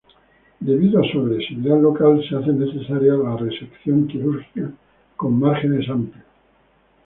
Debido a su agresividad local, se hace necesaria la resección quirúrgica con márgenes amplios.